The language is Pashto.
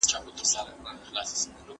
آیا په سفر کي د ميرمنو غوښتني بدليږي؟